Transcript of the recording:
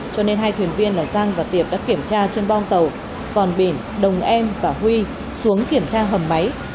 cho nên hai thuyền viên là giang và tiệp đã kiểm tra trên bong tàu còn bỉn đồng em và huy xuống kiểm tra hầm máy